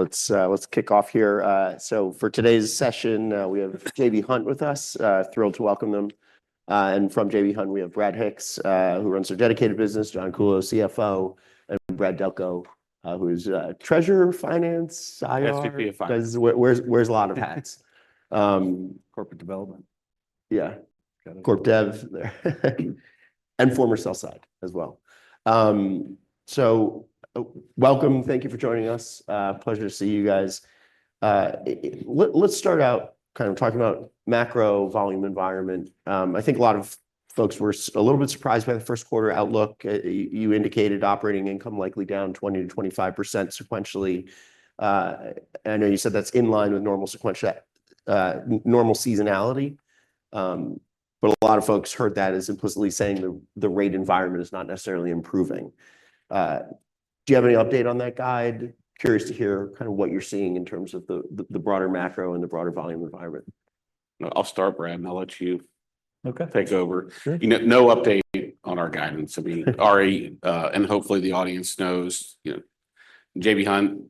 Let's kick off here. So for today's session, we have J.B. Hunt with us. Thrilled to welcome them. And from J.B. Hunt, we have Brad Hicks, who runs their dedicated business, John Kuhlow, CFO, and Brad Delco, who is treasurer, finance, IR. SVP of Finance. Wears a lot of hats? Corporate development. Yeah. Corp dev there. And former sell side as well. So welcome. Thank you for joining us. Pleasure to see you guys. Let's start out kind of talking about macro volume environment. I think a lot of folks were a little bit surprised by the first quarter outlook. You indicated operating income likely down 20% to 25% sequentially. I know you said that's in line with normal seasonality, but a lot of folks heard that as implicitly saying the rate environment is not necessarily improving. Do you have any update on that guide? Curious to hear kind of what you're seeing in terms of the broader macro and the broader volume environment. I'll start, Brad, and I'll let you take over. No update on our guidance. I mean, Ari, and hopefully the audience knows, J.B. Hunt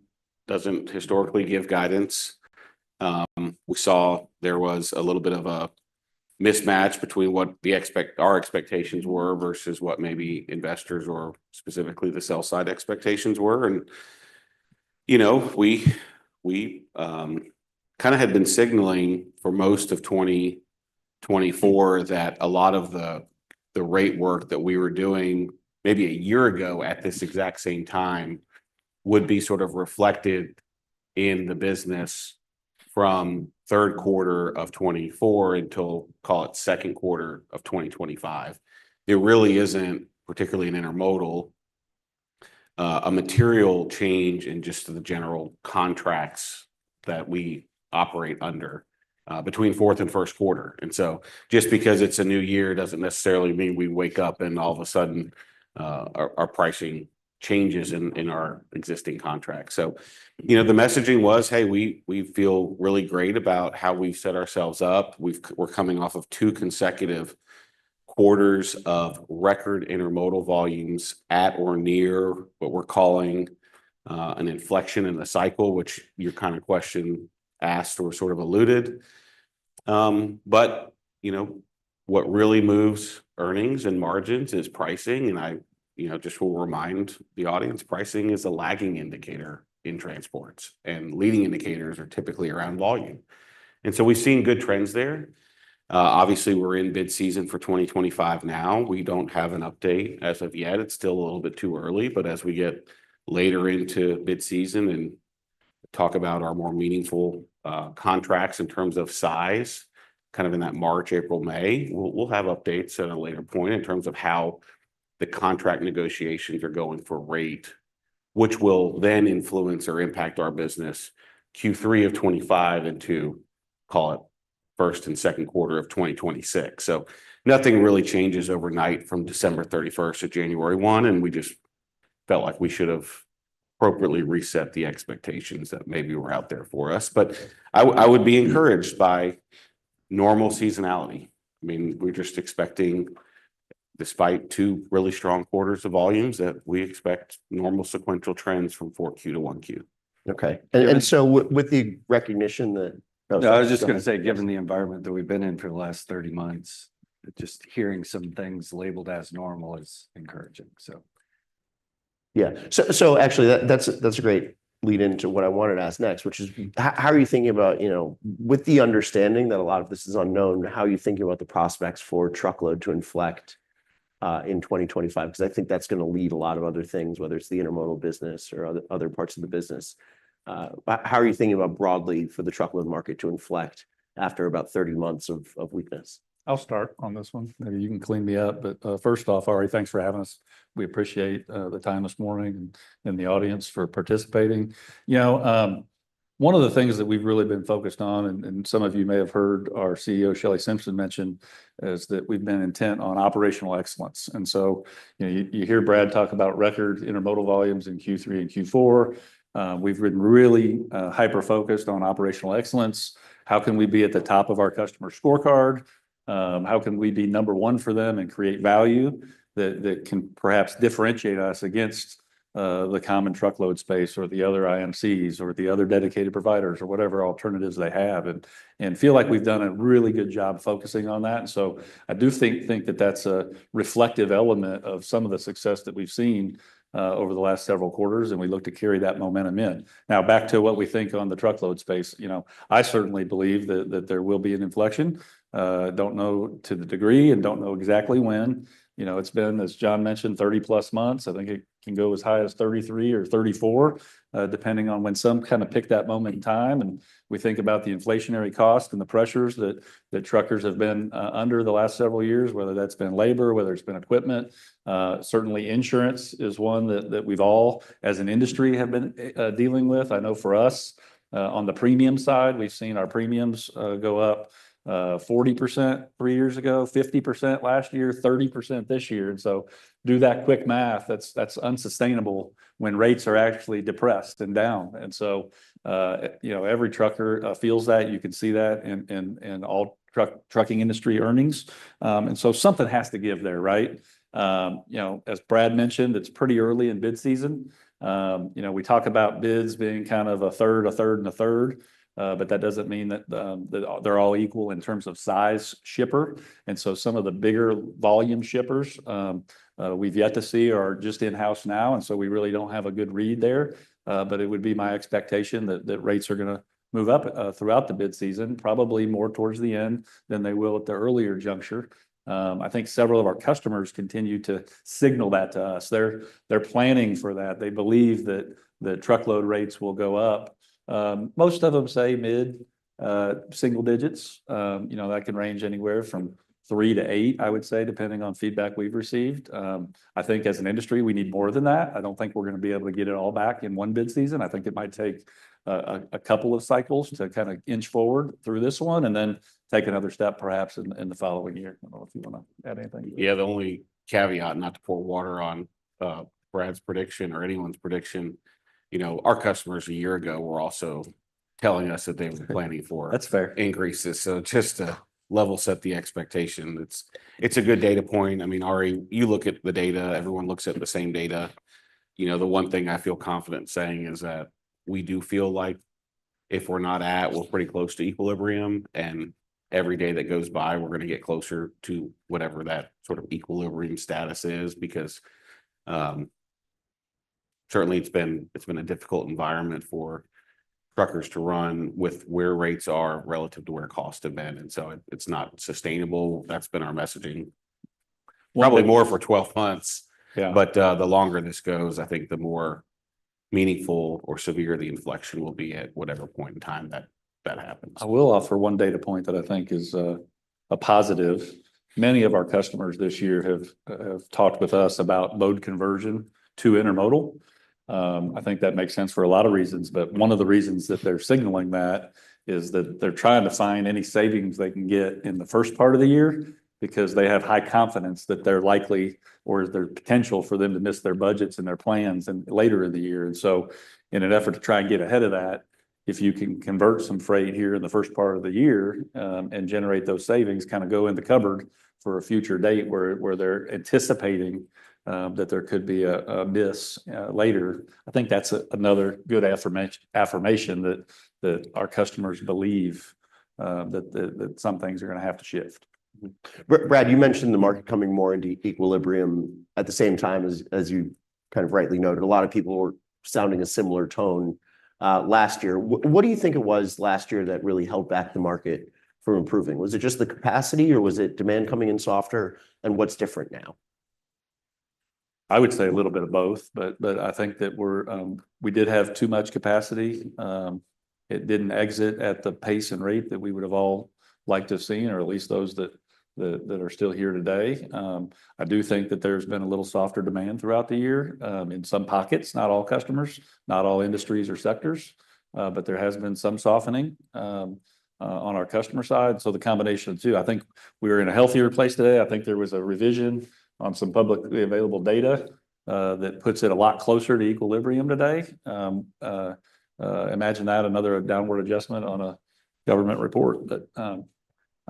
doesn't historically give guidance. We saw there was a little bit of a mismatch between what our expectations were versus what maybe investors or specifically the sell side expectations were, and we kind of had been signaling for most of 2024 that a lot of the rate work that we were doing maybe a year ago at this exact same time would be sort of reflected in the business from third quarter of 2024 until, call it, second quarter of 2025. There really isn't, particularly in intermodal, a material change in just for the general contracts that we operate under between fourth and first quarter. And so just because it's a new year doesn't necessarily mean we wake up and all of a sudden our pricing changes in our existing contracts. So the messaging was, "Hey, we feel really great about how we've set ourselves up. We're coming off of two consecutive quarters of record intermodal volumes at or near what we're calling an inflection in the cycle," which your kind of question asked or sort of alluded. But what really moves earnings and margins is pricing. And I just will remind the audience, pricing is a lagging indicator in transports, and leading indicators are typically around volume. And so we've seen good trends there. Obviously, we're in bid-season for 2025 now. We don't have an update as of yet. It's still a little bit too early. But as we get later into mid-season and talk about our more meaningful contracts in terms of size, kind of in that March, April, May, we'll have updates at a later point in terms of how the contract negotiations are going for rate, which will then influence or impact our business Q3 of 2025 into, call it, first and second quarter of 2026. So nothing really changes overnight from December 31st to January 1, and we just felt like we should have appropriately reset the expectations that maybe were out there for us. But I would be encouraged by normal seasonality. I mean, we're just expecting, despite two really strong quarters of volumes, that we expect normal sequential trends from 4Q to 1Q. Okay. And so with the recognition that. No, I was just going to say, given the environment that we've been in for the last 30 months, just hearing some things labeled as normal is encouraging, so. Yeah. So actually, that's a great lead-in to what I wanted to ask next, which is, how are you thinking about, with the understanding that a lot of this is unknown, how are you thinking about the prospects for truckload to inflect in 2025? Because I think that's going to lead a lot of other things, whether it's the intermodal business or other parts of the business. How are you thinking about broadly for the truckload market to inflect after about 30 months of weakness? I'll start on this one. Maybe you can clean me up, but first off, Ari, thanks for having us. We appreciate the time this morning and the audience for participating. One of the things that we've really been focused on, and some of you may have heard our CEO, Shelley Simpson, mention, is that we've been intent on operational excellence, and so you hear Brad talk about record intermodal volumes in Q3 and Q4. We've been really hyper-focused on operational excellence. How can we be at the top of our customer scorecard? How can we be number one for them and create value that can perhaps differentiate us against the common truckload space or the other IMCs or the other dedicated providers or whatever alternatives they have and feel like we've done a really good job focusing on that? And so I do think that that's a reflective element of some of the success that we've seen over the last several quarters, and we look to carry that momentum in. Now, back to what we think on the truckload space, I certainly believe that there will be an inflection. Don't know to the degree and don't know exactly when. It's been, as John mentioned, 30+ months. I think it can go as high as 33 or 34, depending on when some kind of pick that moment in time. And we think about the inflationary cost and the pressures that truckers have been under the last several years, whether that's been labor, whether it's been equipment. Certainly, insurance is one that we've all, as an industry, have been dealing with. I know for us, on the premium side, we've seen our premiums go up 40% three years ago, 50% last year, 30% this year. And so do that quick math. That's unsustainable when rates are actually depressed and down. And so every trucker feels that. You can see that in all trucking industry earnings. And so something has to give there, right? As Brad mentioned, it's pretty early in bid season. We talk about bids being kind of a third, a third, and a third, but that doesn't mean that they're all equal in terms of size shipper. And so some of the bigger volume shippers we've yet to see are just in-house now, and so we really don't have a good read there. It would be my expectation that rates are going to move up throughout the bid season, probably more towards the end than they will at the earlier juncture. I think several of our customers continue to signal that to us. They're planning for that. They believe that the truckload rates will go up. Most of them say mid single digits. That can range anywhere from three to eight, I would say, depending on feedback we've received. I think as an industry, we need more than that. I don't think we're going to be able to get it all back in one bid season. I think it might take a couple of cycles to kind of inch forward through this one and then take another step, perhaps, in the following year. I don't know if you want to add anything. Yeah, the only caveat, not to pour water on Brad's prediction or anyone's prediction, our customers a year ago were also telling us that they were planning for. That's fair. Increases, so just to level set the expectation, it's a good data point. I mean, Ari, you look at the data. Everyone looks at the same data. The one thing I feel confident saying is that we do feel like if we're not at, we're pretty close to equilibrium, and every day that goes by, we're going to get closer to whatever that sort of equilibrium status is because certainly it's been a difficult environment for truckers to run with where rates are relative to where costs have been, and so it's not sustainable. That's been our messaging. Probably more for 12 months. But the longer this goes, I think the more meaningful or severe the inflection will be at whatever point in time that happens. I will offer one data point that I think is a positive. Many of our customers this year have talked with us about mode conversion to intermodal. I think that makes sense for a lot of reasons. But one of the reasons that they're signaling that is that they're trying to find any savings they can get in the first part of the year because they have high confidence that they're likely or there's potential for them to miss their budgets and their plans later in the year. And so in an effort to try and get ahead of that, if you can convert some freight here in the first part of the year and generate those savings, kind of go in the cupboard for a future date where they're anticipating that there could be a miss later, I think that's another good affirmation that our customers believe that some things are going to have to shift. Brad, you mentioned the market coming more into equilibrium at the same time as you kind of rightly noted. A lot of people were sounding a similar tone last year. What do you think it was last year that really held back the market from improving? Was it just the capacity, or was it demand coming in softer, and what's different now? I would say a little bit of both, but I think that we did have too much capacity. It didn't exit at the pace and rate that we would have all liked to have seen, or at least those that are still here today. I do think that there's been a little softer demand throughout the year in some pockets, not all customers, not all industries or sectors, but there has been some softening on our customer side. So the combination of two, I think we're in a healthier place today. I think there was a revision on some publicly available data that puts it a lot closer to equilibrium today. Imagine that, another downward adjustment on a government report. But I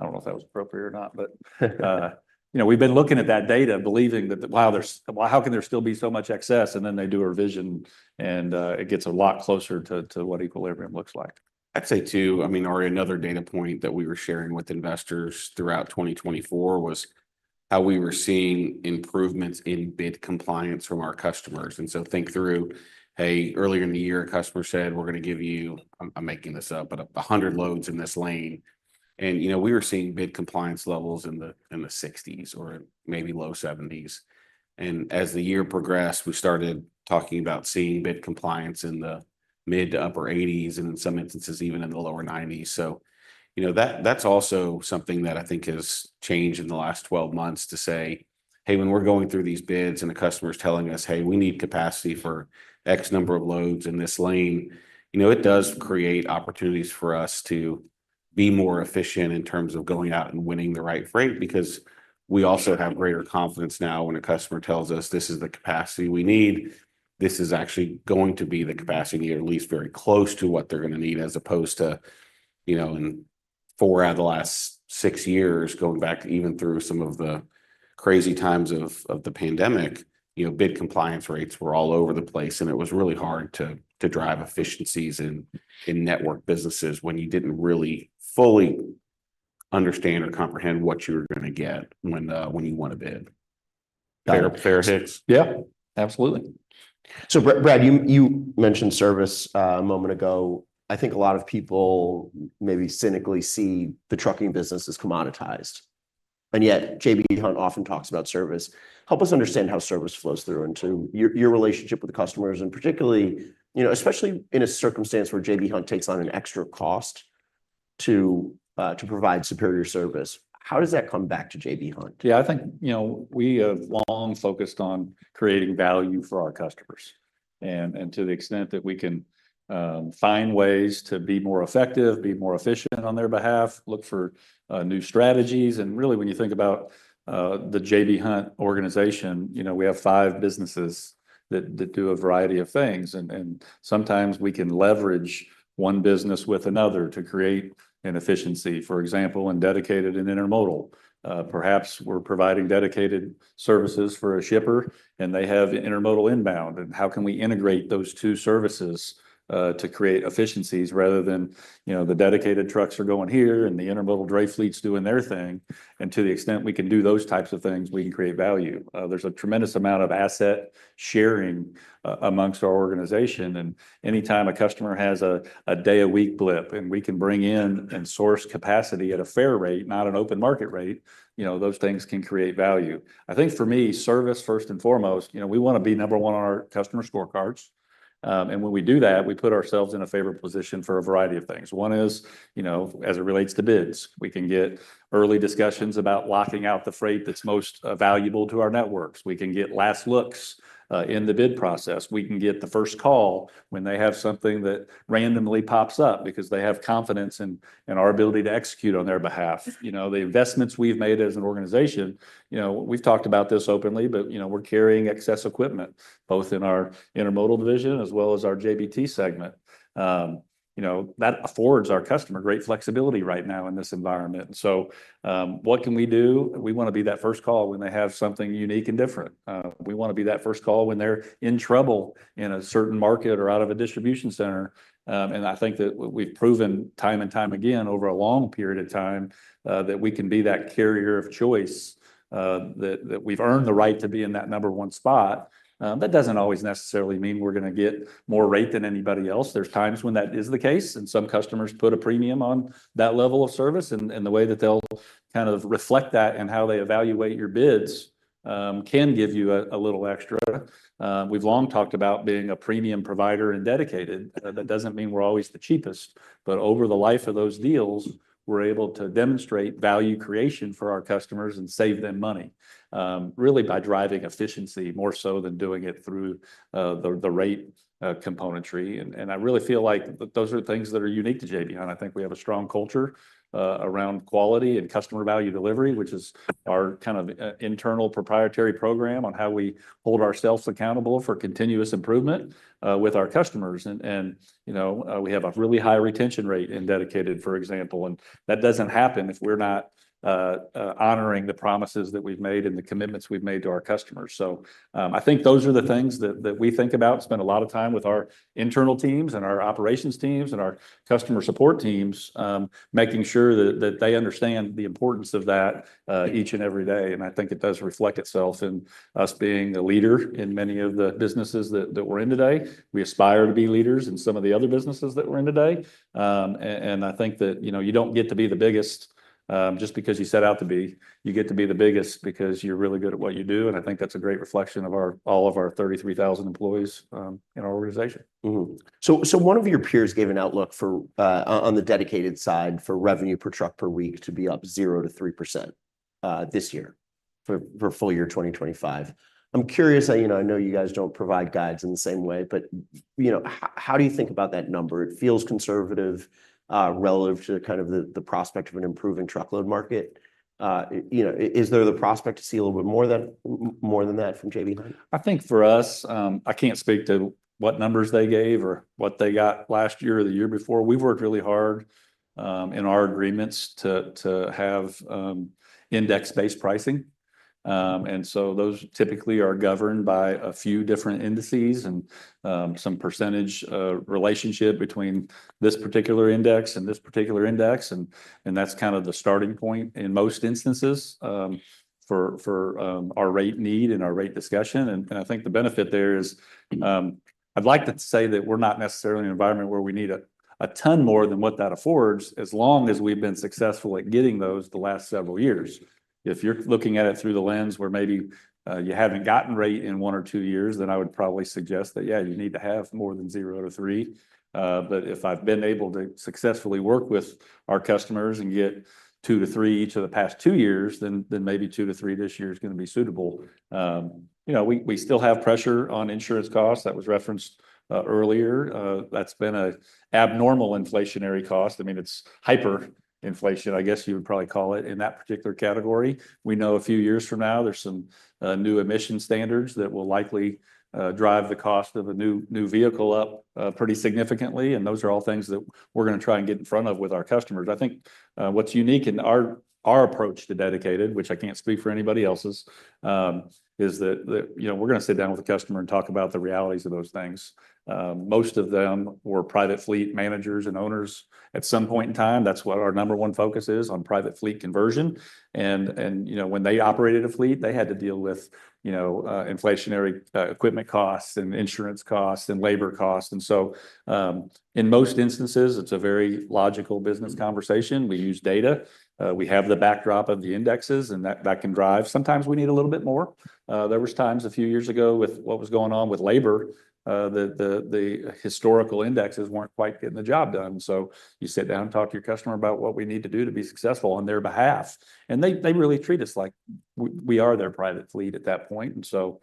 don't know if that was appropriate or not, but we've been looking at that data, believing that, wow, how can there still be so much excess? They do a revision, and it gets a lot closer to what equilibrium looks like. I'd say too, I mean, Ari, another data point that we were sharing with investors throughout 2024 was how we were seeing improvements in bid compliance from our customers. And so think through, hey, earlier in the year, a customer said, "We're going to give you," I'm making this up, "but 100 loads in this lane." And we were seeing bid compliance levels in the 60s or maybe low 70s. And as the year progressed, we started talking about seeing bid compliance in the mid to upper 80s and in some instances even in the lower 90s. So that's also something that I think has changed in the last 12 months to say, "Hey, when we're going through these bids and a customer is telling us, 'Hey, we need capacity for X number of loads in this lane,' it does create opportunities for us to be more efficient in terms of going out and winning the right freight because we also have greater confidence now when a customer tells us, 'This is the capacity we need.' This is actually going to be the capacity at least very close to what they're going to need," as opposed to four out of the last six years going back even through some of the crazy times of the pandemic, bid compliance rates were all over the place, and it was really hard to drive efficiencies in network businesses when you didn't really fully understand or comprehend what you were going to get when you won a bid. Fair hits? Yeah. Absolutely. So Brad, you mentioned service a moment ago. I think a lot of people maybe cynically see the trucking business as commoditized. And yet J.B. Hunt often talks about service. Help us understand how service flows through into your relationship with the customers and particularly, especially in a circumstance where J.B. Hunt takes on an extra cost to provide superior service. How does that come back to J.B. Hunt? Yeah, I think we have long focused on creating value for our customers. And to the extent that we can find ways to be more effective, be more efficient on their behalf, look for new strategies. And really, when you think about the J.B. Hunt organization, we have five businesses that do a variety of things. And sometimes we can leverage one business with another to create an efficiency, for example, in dedicated and intermodal. Perhaps we're providing dedicated services for a shipper, and they have intermodal inbound. And how can we integrate those two services to create efficiencies rather than the dedicated trucks are going here and the intermodal dray fleets doing their thing? And to the extent we can do those types of things, we can create value. There's a tremendous amount of asset sharing among our organization. And anytime a customer has a day-a-week blip and we can bring in and source capacity at a fair rate, not an open market rate, those things can create value. I think for me, service first and foremost, we want to be number one on our customer scorecards. And when we do that, we put ourselves in a favorable position for a variety of things. One is as it relates to bids. We can get early discussions about locking out the freight that's most valuable to our networks. We can get last looks in the bid process. We can get the first call when they have something that randomly pops up because they have confidence in our ability to execute on their behalf. The investments we've made as an organization, we've talked about this openly, but we're carrying excess equipment both in our intermodal division as well as our JBT segment. That affords our customer great flexibility right now in this environment. So what can we do? We want to be that first call when they have something unique and different. We want to be that first call when they're in trouble in a certain market or out of a distribution center. And I think that we've proven time and time again over a long period of time that we can be that carrier of choice, that we've earned the right to be in that number one spot. That doesn't always necessarily mean we're going to get more rate than anybody else. There's times when that is the case, and some customers put a premium on that level of service. And the way that they'll kind of reflect that and how they evaluate your bids can give you a little extra. We've long talked about being a premium provider and dedicated. That doesn't mean we're always the cheapest, but over the life of those deals, we're able to demonstrate value creation for our customers and save them money really by driving efficiency more so than doing it through the rate componentry. And I really feel like those are things that are unique to J.B. Hunt. I think we have a strong culture around quality and customer value delivery, which is our kind of internal proprietary program on how we hold ourselves accountable for continuous improvement with our customers. And we have a really high retention rate in dedicated, for example. And that doesn't happen if we're not honoring the promises that we've made and the commitments we've made to our customers. So I think those are the things that we think about, spend a lot of time with our internal teams and our operations teams and our customer support teams, making sure that they understand the importance of that each and every day. And I think it does reflect itself in us being a leader in many of the businesses that we're in today. We aspire to be leaders in some of the other businesses that we're in today. And I think that you don't get to be the biggest just because you set out to be. You get to be the biggest because you're really good at what you do. And I think that's a great reflection of all of our 33,000 employees in our organization. So one of your peers gave an outlook on the dedicated side for revenue per truck per week to be up 0% to 3% this year for full year 2025. I'm curious, I know you guys don't provide guides in the same way, but how do you think about that number? It feels conservative relative to kind of the prospect of an improving truckload market. Is there the prospect to see a little bit more than that from J.B. Hunt? I think for us, I can't speak to what numbers they gave or what they got last year or the year before. We've worked really hard in our agreements to have index-based pricing. And so those typically are governed by a few different indices and some percentage relationship between this particular index and this particular index. And that's kind of the starting point in most instances for our rate need and our rate discussion. And I think the benefit there is I'd like to say that we're not necessarily in an environment where we need a ton more than what that affords as long as we've been successful at getting those the last several years. If you're looking at it through the lens where maybe you haven't gotten rate in one or two years, then I would probably suggest that, yeah, you need to have more than 0 to 3. But if I've been able to successfully work with our customers and get two to three each of the past two years, then maybe two to three this year is going to be suitable. We still have pressure on insurance costs that was referenced earlier. That's been an abnormal inflationary cost. I mean, it's hyperinflation, I guess you would probably call it in that particular category. We know a few years from now, there's some new emission standards that will likely drive the cost of a new vehicle up pretty significantly. And those are all things that we're going to try and get in front of with our customers. I think what's unique in our approach to dedicated, which I can't speak for anybody else's, is that we're going to sit down with the customer and talk about the realities of those things. Most of them were private fleet managers and owners at some point in time. That's what our number one focus is on private fleet conversion, and when they operated a fleet, they had to deal with inflationary equipment costs and insurance costs and labor costs, and so in most instances, it's a very logical business conversation. We use data. We have the backdrop of the indexes, and that can drive. Sometimes we need a little bit more. There were times a few years ago with what was going on with labor, the historical indexes weren't quite getting the job done, so you sit down and talk to your customer about what we need to do to be successful on their behalf, and they really treat us like we are their private fleet at that point, and so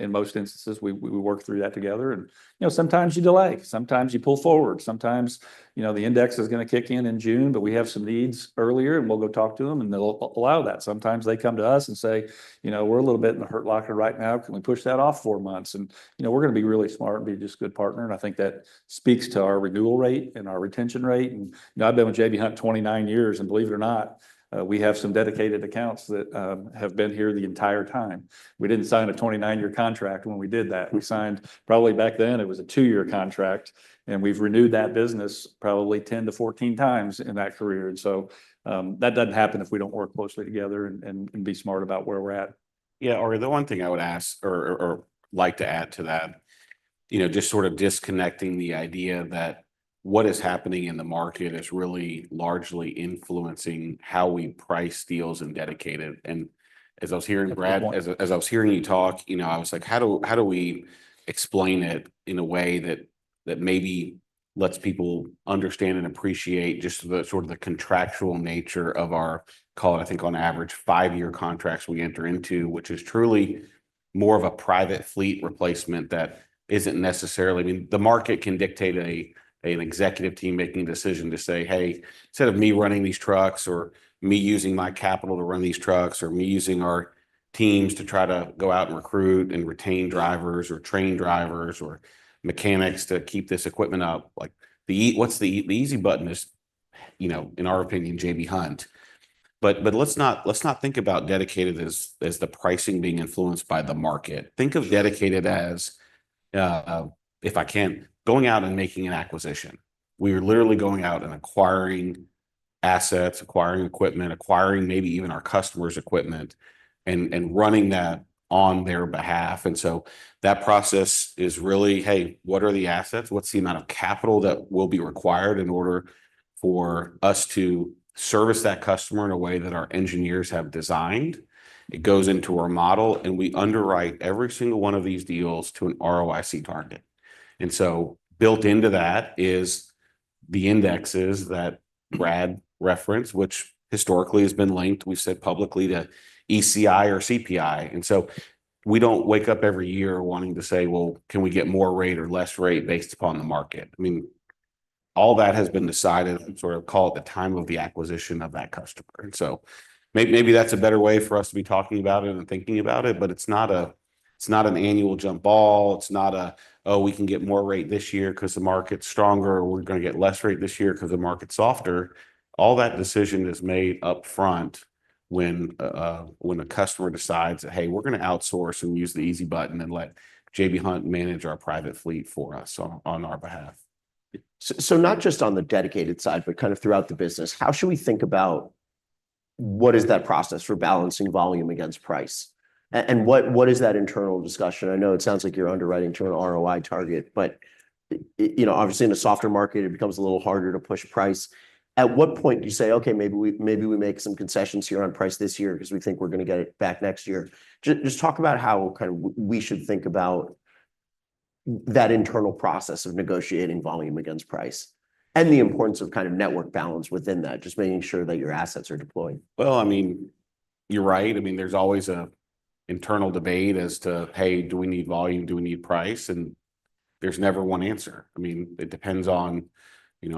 in most instances, we work through that together, and sometimes you delay. Sometimes you pull forward. Sometimes the index is going to kick in in June, but we have some needs earlier, and we'll go talk to them, and they'll allow that. Sometimes they come to us and say, "We're a little bit in the hurt locker right now. Can we push that off four months," and we're going to be really smart and be just a good partner. And I think that speaks to our renewal rate and our retention rate, and I've been with J.B. Hunt 29 years, and believe it or not, we have some dedicated accounts that have been here the entire time. We didn't sign a 29-year contract when we did that. We signed probably back then, it was a two-year contract, and we've renewed that business probably 10x to 14x in that career. And so that doesn't happen if we don't work closely together and be smart about where we're at. Yeah. Ari, the one thing I would ask or like to add to that, just sort of disconnecting the idea that what is happening in the market is really largely influencing how we price deals in Dedicated. As I was hearing Brad, as I was hearing you talk, I was like, "How do we explain it in a way that maybe lets people understand and appreciate just sort of the contractual nature of our, call it, I think, on average, five-year contracts we enter into, which is truly more of a private fleet replacement that isn't necessarily." I mean, the market can dictate an executive team-making decision to say, "Hey, instead of me running these trucks or me using my capital to run these trucks or me using our teams to try to go out and recruit and retain drivers or train drivers or mechanics to keep this equipment up," what's the easy button is, in our opinion, J.B. Hunt. But let's not think about dedicated as the pricing being influenced by the market. Think of dedicated as, if I can, going out and making an acquisition. We are literally going out and acquiring assets, acquiring equipment, acquiring maybe even our customer's equipment, and running that on their behalf. And so that process is really, "Hey, what are the assets? What's the amount of capital that will be required in order for us to service that customer in a way that our engineers have designed?" It goes into our model, and we underwrite every single one of these deals to an ROIC target. And so built into that is the indexes that Brad referenced, which historically has been linked, we said publicly, to ECI or CPI. We don't wake up every year wanting to say, "Well, can we get more rate or less rate based upon the market?" I mean, all that has been decided, sort of call it the time of the acquisition of that customer. Maybe that's a better way for us to be talking about it and thinking about it, but it's not an annual jump ball. It's not a, "Oh, we can get more rate this year because the market's stronger. We're going to get less rate this year because the market's softer." All that decision is made upfront when a customer decides, "Hey, we're going to outsource and use the easy button and let J.B. Hunt manage our private fleet for us on our behalf," So not just on the dedicated side, but kind of throughout the business, how should we think about what is that process for balancing volume against price? And what is that internal discussion? I know it sounds like you're underwriting to an ROI target, but obviously in a softer market, it becomes a little harder to push price. At what point do you say, "Okay, maybe we make some concessions here on price this year because we think we're going to get it back next year"? Just talk about how kind of we should think about that internal process of negotiating volume against price and the importance of kind of network balance within that, just making sure that your assets are deployed. Well, I mean, you're right. I mean, there's always an internal debate as to, "Hey, do we need volume? Do we need price?" And there's never one answer. I mean, it depends on,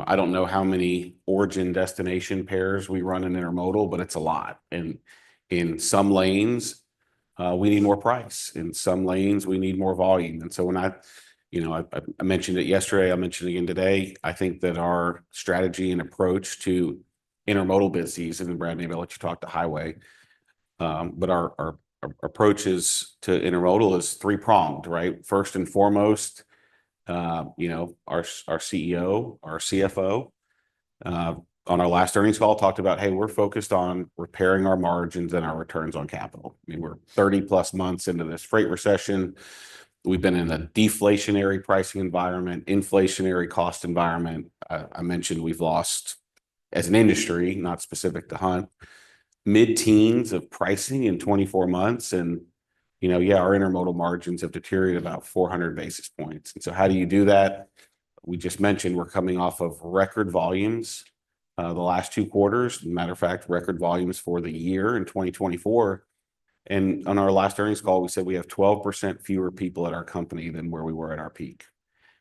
I don't know how many origin-destination pairs we run in intermodal, but it's a lot. And in some lanes, we need more price. In some lanes, we need more volume. And so when I mentioned it yesterday, I mentioned it again today. I think that our strategy and approach to intermodal businesses, and Brad, maybe I'll let you talk to Highway, but our approaches to intermodal is three-pronged, right? First and foremost, our CEO or our CFO, on our last earnings call talked about, "Hey, we're focused on repairing our margins and our returns on capital." I mean, we're 30-plus months into this freight recession. We've been in a deflationary pricing environment, inflationary cost environment. I mentioned we've lost, as an industry, not specific to Hunt, mid-teens of pricing in 24 months. And yeah, our intermodal margins have deteriorated about 400 basis points. And so how do you do that? We just mentioned we're coming off of record volumes the last two quarters. As a matter of fact, record volumes for the year in 2024. And on our last earnings call, we said we have 12% fewer people at our company than where we were at our peak.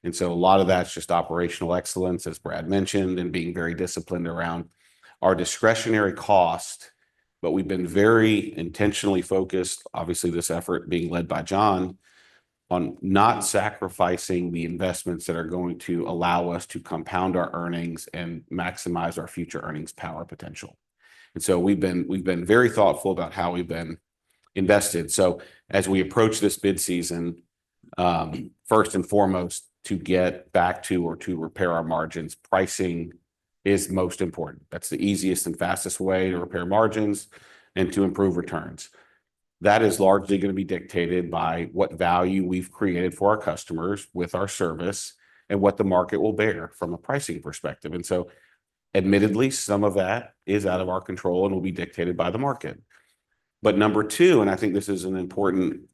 And so a lot of that's just operational excellence, as Brad mentioned, and being very disciplined around our discretionary cost. But we've been very intentionally focused, obviously this effort being led by John, on not sacrificing the investments that are going to allow us to compound our earnings and maximize our future earnings power potential. And so we've been very thoughtful about how we've been invested. So as we approach this bid season, first and foremost, to get back to or to repair our margins, pricing is most important. That's the easiest and fastest way to repair margins and to improve returns. That is largely going to be dictated by what value we've created for our customers with our service and what the market will bear from a pricing perspective. And so admittedly, some of that is out of our control and will be dictated by the market. But number two, and I think this is an important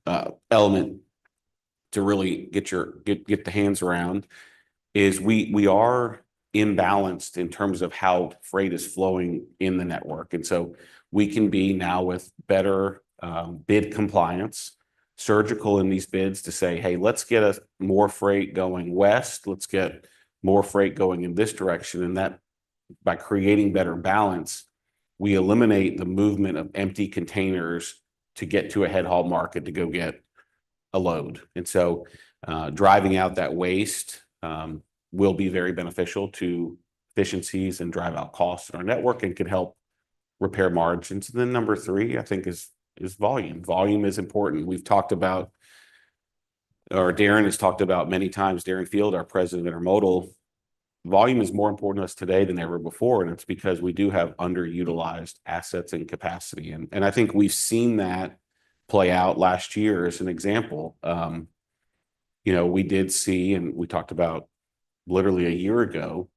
element to really get the hands around, is we are imbalanced in terms of how freight is flowing in the network. And so we can be now with better bid compliance, surgical in these bids to say, "Hey, let's get more freight going west. Let's get more freight going in this direction." And by creating better balance, we eliminate the movement of empty containers to get to a head haul market to go get a load. And so driving out that waste will be very beneficial to efficiencies and drive out costs in our network and can help repair margins. And then number three, I think, is volume. Volume is important. We've talked about, or Darren has talked about many times, Darren Field, our President of Intermodal, volume is more important to us today than ever before. And it's because we do have underutilized assets and capacity. And I think we've seen that play out last year as an example. We did see, and we talked about literally a year ago,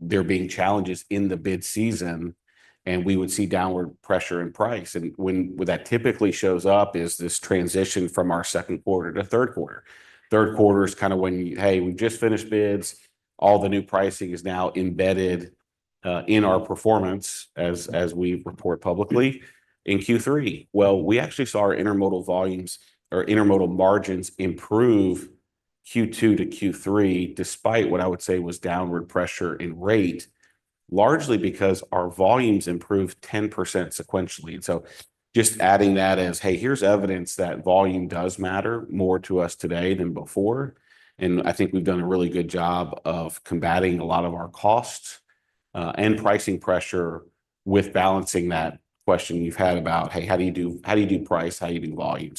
there being challenges in the bid season, and we would see downward pressure in price. When that typically shows up is this transition from our second quarter to third quarter. Third quarter is kind of when, "Hey, we've just finished bids. All the new pricing is now embedded in our performance as we report publicly in Q3." We actually saw our intermodal volumes or intermodal margins improve Q2 to Q3 despite what I would say was downward pressure in rate, largely because our volumes improved 10% sequentially. Just adding that as, "Hey, here's evidence that volume does matter more to us today than before." I think we've done a really good job of combating a lot of our costs and pricing pressure with balancing that question you've had about, "Hey, how do you do price? How do you do volume?"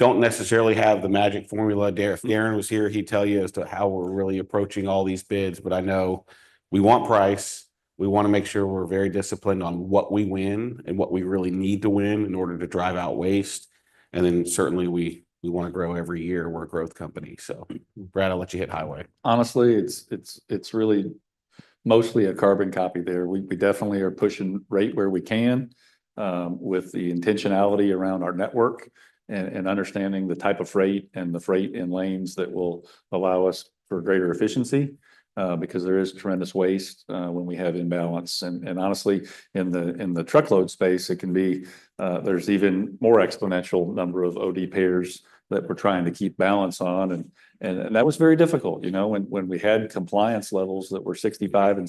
We don't necessarily have the magic formula. If Darren was here, he'd tell you as to how we're really approaching all these bids, but I know we want price. We want to make sure we're very disciplined on what we win and what we really need to win in order to drive out waste, and then certainly we want to grow every year. We're a growth company, so Brad, I'll let you hit Highway. Honestly, it's really mostly a carbon copy there. We definitely are pushing rate where we can with the intentionality around our network and understanding the type of freight and the freight in lanes that will allow us for greater efficiency because there is tremendous waste when we have imbalance, and honestly, in the truckload space, it can be there's even more exponential number of OD pairs that we're trying to keep balance on. That was very difficult when we had compliance levels that were 65% and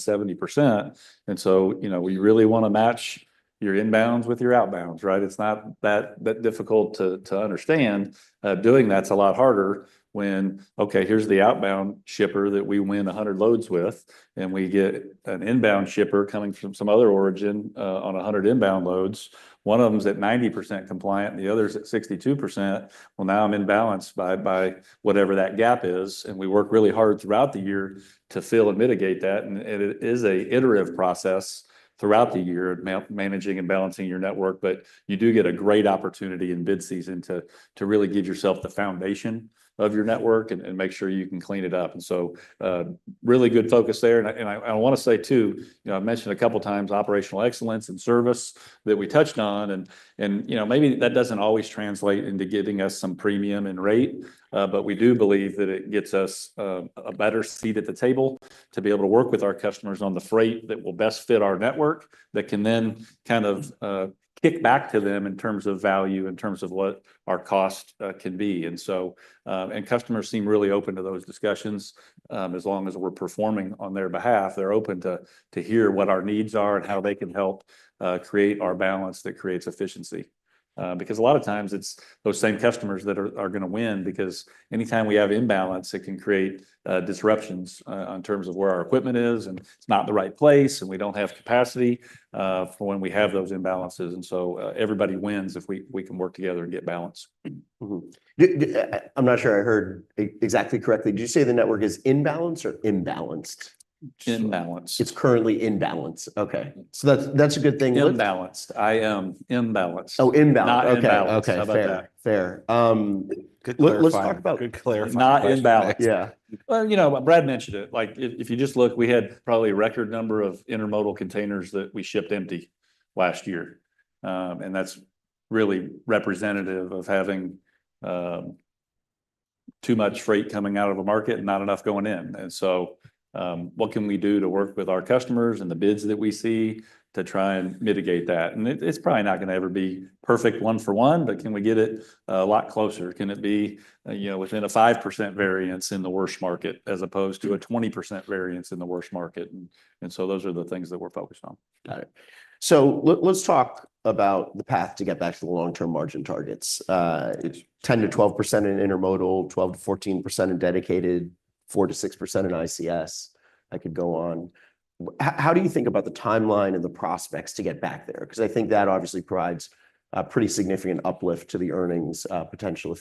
70%. We really want to match your inbounds with your outbounds, right? It's not that difficult to understand. Doing that's a lot harder when, "Okay, here's the outbound shipper that we win 100 loads with, and we get an inbound shipper coming from some other origin on 100 inbound loads. One of them is at 90% compliant. The other is at 62%. Well, now I'm in balance by whatever that gap is." We work really hard throughout the year to fill and mitigate that. It is an iterative process throughout the year managing and balancing your network. You do get a great opportunity in bid season to really give yourself the foundation of your network and make sure you can clean it up and so really good focus there. I want to say too, I mentioned a couple of times operational excellence and service that we touched on. Maybe that doesn't always translate into giving us some premium in rate, but we do believe that it gets us a better seat at the table to be able to work with our customers on the freight that will best fit our network that can then kind of kick back to them in terms of value, in terms of what our cost can be. Customers seem really open to those discussions as long as we're performing on their behalf. They're open to hear what our needs are and how they can help create our balance that creates efficiency. Because a lot of times it's those same customers that are going to win because anytime we have imbalance, it can create disruptions in terms of where our equipment is, and it's not the right place, and we don't have capacity for when we have those imbalances, and so everybody wins if we can work together and get balance. I'm not sure I heard exactly correctly. Did you say the network is in balance or imbalanced? In balance. It's currently in balance. Okay. So that's a good thing. Imbalanced. I am imbalanced. Oh, imbalanced. Okay. Fair. Fair. Let's talk about. Not imbalanced. Yeah. Well, Brad mentioned it. If you just look, we had probably a record number of intermodal containers that we shipped empty last year. And that's really representative of having too much freight coming out of a market and not enough going in. And so what can we do to work with our customers and the bids that we see to try and mitigate that? And it's probably not going to ever be perfect one for one, but can we get it a lot closer? Can it be within a 5% variance in the worst market as opposed to a 20% variance in the worst market? And so those are the things that we're focused on. Got it. So let's talk about the path to get back to the long-term margin targets. 10% to 12% in intermodal, 12% to 14% in dedicated, 4% to 6% in ICS. I could go on. How do you think about the timeline and the prospects to get back there? Because I think that obviously provides a pretty significant uplift to the earnings potential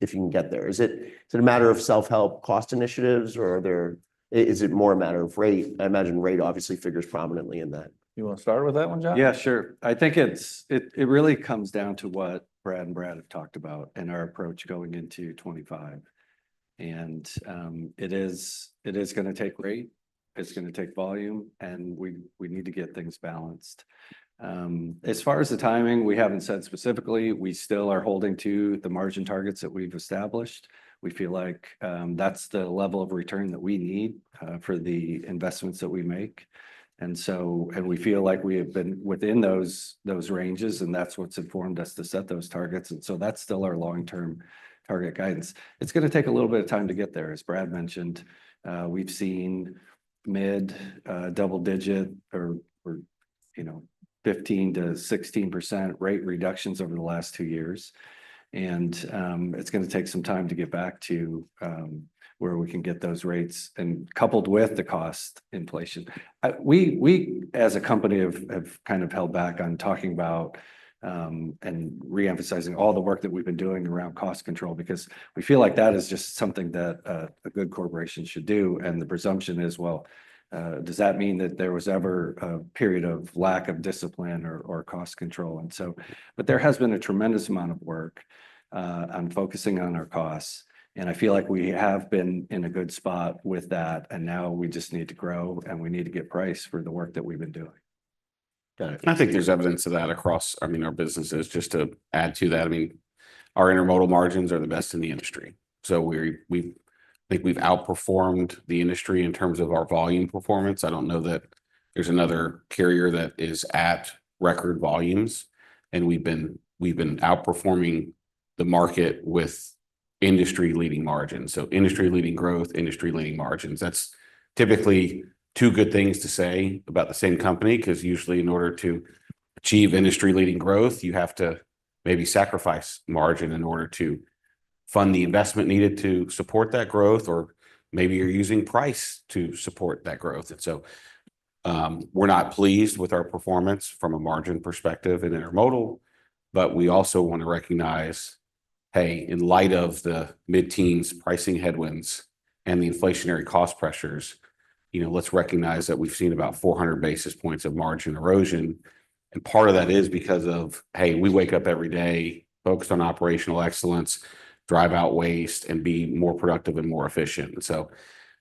if you can get there. Is it a matter of self-help cost initiatives, or is it more a matter of rate? I imagine rate obviously figures prominently in that. You want to start with that one, John? Yeah, sure. I think it really comes down to what Brad and Brad have talked about and our approach going into 2025. And it is going to take rate. It's going to take volume, and we need to get things balanced. As far as the timing, we haven't said specifically. We still are holding to the margin targets that we've established. We feel like that's the level of return that we need for the investments that we make. And we feel like we have been within those ranges, and that's what's informed us to set those targets. And so that's still our long-term target guidance. It's going to take a little bit of time to get there. As Brad mentioned, we've seen mid-double digit or 15% to 16% rate reductions over the last two years. And it's going to take some time to get back to where we can get those rates and coupled with the cost inflation. We, as a company, have kind of held back on talking about and reemphasizing all the work that we've been doing around cost control because we feel like that is just something that a good corporation should do. And the presumption is, well, does that mean that there was ever a period of lack of discipline or cost control? And so, but there has been a tremendous amount of work on focusing on our costs. And I feel like we have been in a good spot with that. And now we just need to grow, and we need to get price for the work that we've been doing. Got it. I think there's evidence of that across, I mean, our businesses. Just to add to that, I mean, our intermodal margins are the best in the industry. So I think we've outperformed the industry in terms of our volume performance. I don't know that there's another carrier that is at record volumes. And we've been outperforming the market with industry-leading margins. So industry-leading growth, industry-leading margins. That's typically two good things to say about the same company because usually in order to achieve industry-leading growth, you have to maybe sacrifice margin in order to fund the investment needed to support that growth, or maybe you're using price to support that growth. And so we're not pleased with our performance from a margin perspective at intermodal, but we also want to recognize, hey, in light of the mid-teens pricing headwinds and the inflationary cost pressures, let's recognize that we've seen about 400 basis points of margin erosion. And part of that is because of, hey, we wake up every day focused on operational excellence, drive out waste, and be more productive and more efficient. And so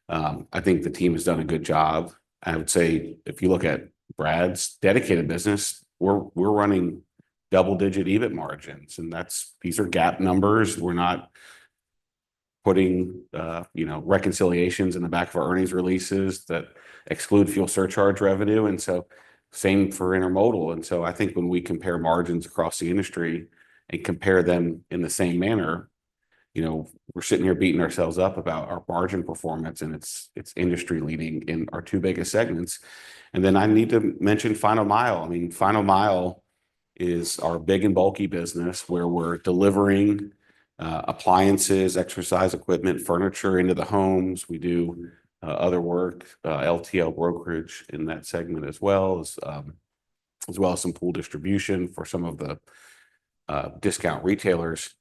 I think the team has done a good job. I would say if you look at Brad's dedicated business, we're running double-digit EBIT margins. And these are GAAP numbers. We're not putting reconciliations in the back of our earnings releases that exclude fuel surcharge revenue. And so same for intermodal. I think when we compare margins across the industry and compare them in the same manner, we're sitting here beating ourselves up about our margin performance, and it's industry-leading in our two biggest segments. Then I need to mention Final Mile. I mean, Final Mile is our big and bulky business where we're delivering appliances, exercise equipment, furniture into the homes. We do other work, LTL brokerage in that segment as well, as well as some pool distribution for some of the discount retailers.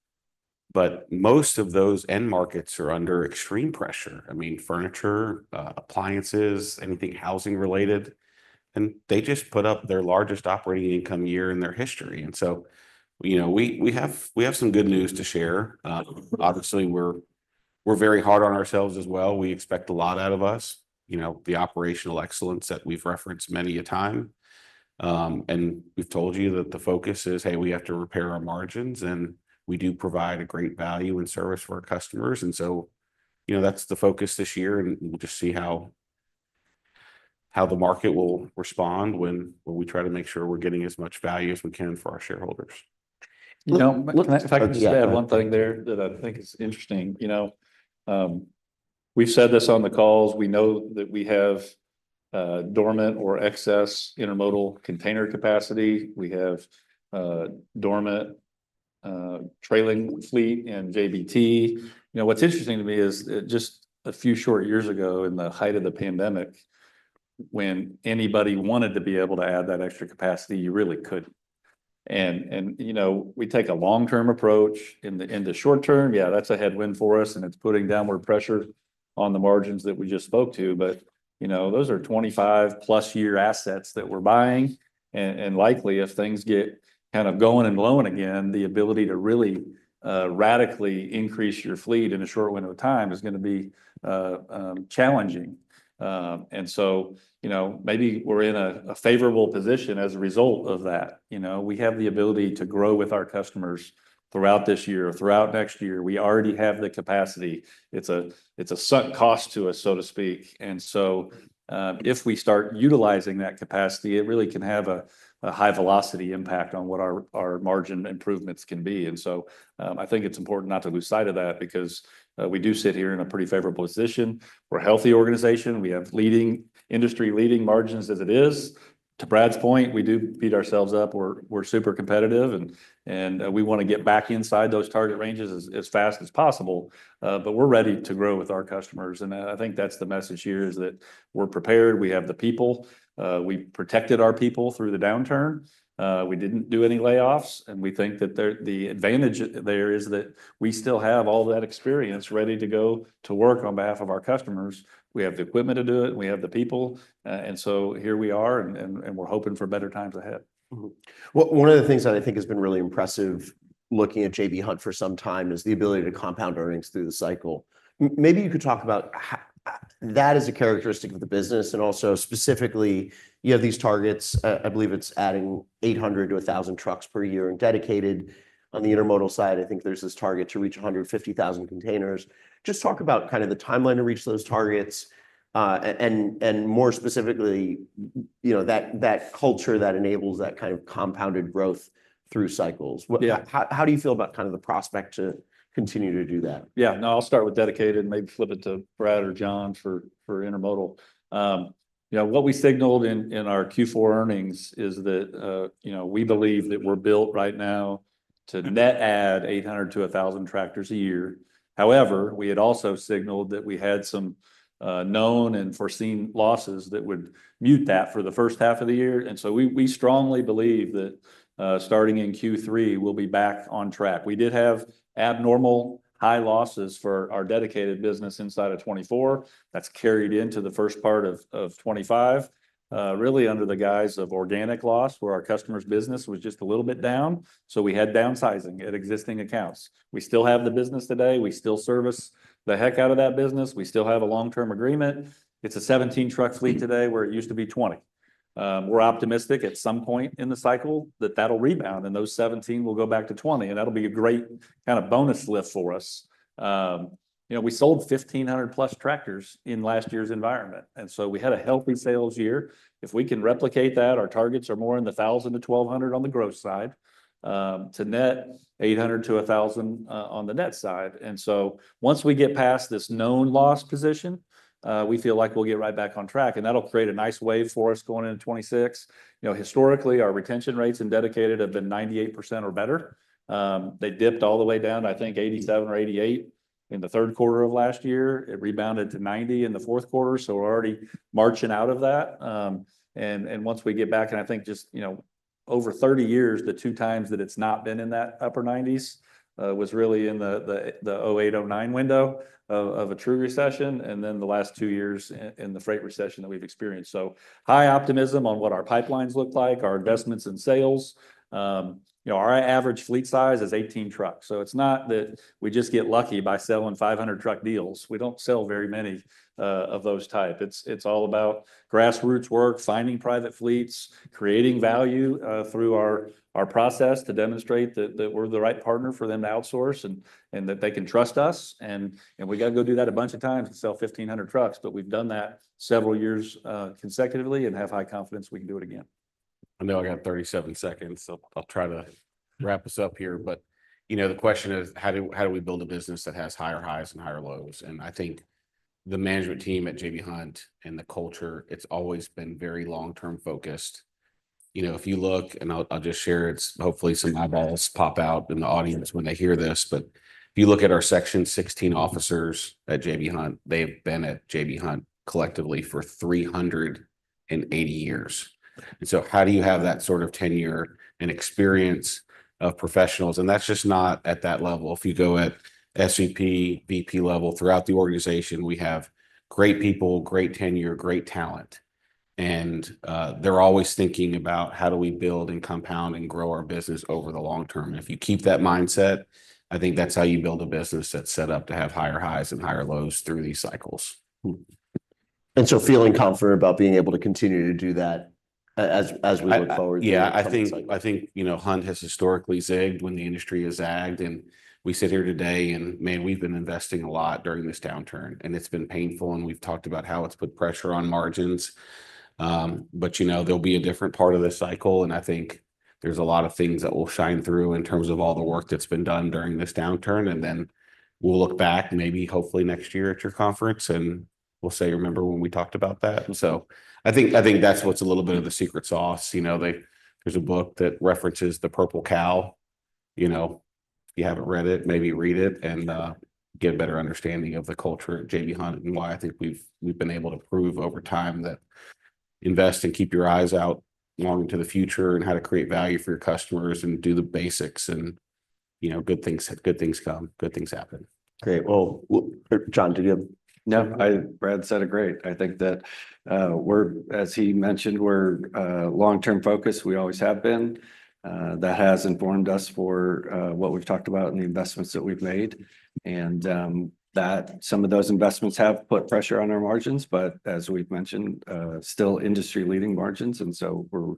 But most of those end markets are under extreme pressure. I mean, furniture, appliances, anything housing related, and they just put up their largest operating income year in their history. We have some good news to share. Obviously, we're very hard on ourselves as well. We expect a lot out of us, the operational excellence that we've referenced many a time. And we've told you that the focus is, hey, we have to repair our margins, and we do provide a great value and service for our customers. And so that's the focus this year, and we'll just see how the market will respond when we try to make sure we're getting as much value as we can for our shareholders. If I could just add one thing there that I think is interesting. We've said this on the calls. We know that we have dormant or excess intermodal container capacity. We have dormant trailing fleet and JBT. What's interesting to me is just a few short years ago in the height of the pandemic, when anybody wanted to be able to add that extra capacity, you really couldn't. And we take a long-term approach in the short term. Yeah, that's a headwind for us, and it's putting downward pressure on the margins that we just spoke to. But those are 25+ year assets that we're buying. And likely, if things get kind of going and blowing again, the ability to really radically increase your fleet in a short window of time is going to be challenging. And so maybe we're in a favorable position as a result of that. We have the ability to grow with our customers throughout this year, throughout next year. We already have the capacity. It's a sunk cost to us, so to speak. And so if we start utilizing that capacity, it really can have a high-velocity impact on what our margin improvements can be. And so I think it's important not to lose sight of that because we do sit here in a pretty favorable position. We're a healthy organization. We have industry-leading margins as it is. To Brad's point, we do beat ourselves up. We're super competitive, and we want to get back inside those target ranges as fast as possible. But we're ready to grow with our customers. And I think that's the message here is that we're prepared. We have the people. We protected our people through the downturn. We didn't do any layoffs. We think that the advantage there is that we still have all that experience ready to go to work on behalf of our customers. We have the equipment to do it. We have the people. And so here we are, and we're hoping for better times ahead. One of the things that I think has been really impressive looking at J.B. Hunt for some time is the ability to compound earnings through the cycle. Maybe you could talk about that as a characteristic of the business. And also specifically, you have these targets. I believe it's adding 800 trucks to 1,000 trucks per year and dedicated on the intermodal side, I think there's this target to reach 150,000 containers. Just talk about kind of the timeline to reach those targets and more specifically that culture that enables that kind of compounded growth through cycles. How do you feel about kind of the prospect to continue to do that? Yeah. No, I'll start with Dedicated and maybe flip it to Brad or John for Intermodal. What we signaled in our Q4 earnings is that we believe that we're built right now to net add 800 tractors to 1,000 tractors a year. However, we had also signaled that we had some known and foreseen losses that would mute that for the first half of the year, and so we strongly believe that starting in Q3, we'll be back on track. We did have abnormal high losses for our Dedicated business inside of 2024. That's carried into the first part of 2025, really under the guise of organic loss where our customer's business was just a little bit down, so we had downsizing at existing accounts. We still have the business today. We still service the heck out of that business. We still have a long-term agreement. It's a 17-truck fleet today where it used to be 20. We're optimistic at some point in the cycle that that'll rebound, and those 17 will go back to 20, and that'll be a great kind of bonus lift for us. We sold 1,500-plus tractors in last year's environment. And so we had a healthy sales year. If we can replicate that, our targets are more in the 1,000 to 1,200 on the gross side to net 800 to 1,000 on the net side. And so once we get past this known loss position, we feel like we'll get right back on track, and that'll create a nice wave for us going into 2026. Historically, our retention rates in dedicated have been 98% or better. They dipped all the way down, I think, 87 or 88 in the third quarter of last year. It rebounded to 90 in the fourth quarter. So we're already marching out of that. And once we get back, and I think just over 30 years, the two times that it's not been in that upper 90s was really in the 2008, 2009 window of a true recession, and then the last two years in the freight recession that we've experienced. So high optimism on what our pipelines look like, our investments in sales. Our average fleet size is 18 trucks. So it's not that we just get lucky by selling 500-truck deals. We don't sell very many of those types. It's all about grassroots work, finding private fleets, creating value through our process to demonstrate that we're the right partner for them to outsource and that they can trust us. And we got to go do that a bunch of times and sell 1,500 trucks. But we've done that several years consecutively and have high confidence we can do it again. I know I got 37 seconds, so I'll try to wrap us up here. But the question is, how do we build a business that has higher highs and higher lows? And I think the management team at J.B. Hunt and the culture, it's always been very long-term focused. If you look, and I'll just share, hopefully some eyeballs pop out in the audience when they hear this. But if you look at our Section 16 officers at J.B. Hunt, they've been at J.B. Hunt collectively for 380 years. And so how do you have that sort of tenure and experience of professionals? And that's just not at that level. If you go at SVP, VP level throughout the organization, we have great people, great tenure, great talent. And they're always thinking about how do we build and compound and grow our business over the long term. If you keep that mindset, I think that's how you build a business that's set up to have higher highs and higher lows through these cycles. And so feeling confident about being able to continue to do that as we look forward to the next cycle. Yeah, I think Hunt has historically zagged when the industry has zagged. And we sit here today, and man, we've been investing a lot during this downturn, and it's been painful, and we've talked about how it's put pressure on margins. But there'll be a different part of the cycle, and I think there's a lot of things that will shine through in terms of all the work that's been done during this downturn. And then we'll look back maybe hopefully next year at your conference, and we'll say, "Remember when we talked about that?" So I think that's what's a little bit of the secret sauce. There's a book that references the Purple Cow. If you haven't read it, maybe read it and get a better understanding of the culture at J.B. Hunt and why I think we've been able to prove over time that invest and keep your eyes out long into the future and how to create value for your customers and do the basics, and good things come. Good things happen. Great. Well, John, did you have? No, Brad said it great. I think that, as he mentioned, we're long-term focused. We always have been. That has informed us for what we've talked about and the investments that we've made. And some of those investments have put pressure on our margins, but as we've mentioned, still industry-leading margins. And so we're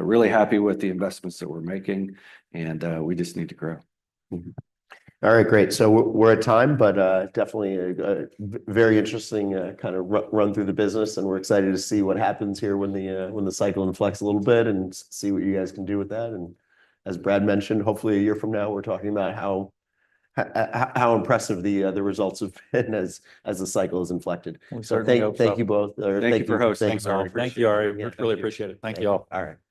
really happy with the investments that we're making, and we just need to grow. All right, great. So we're at time, but definitely a very interesting kind of run through the business, and we're excited to see what happens here when the cycle inflects a little bit and see what you guys can do with that. And as Brad mentioned, hopefully a year from now, we're talking about how impressive the results have been as the cycle has inflected. So thank you both. Thank you for hosting. Thank you, Ari. Thank you, Ari. Really appreciate it. Thank you all. All right.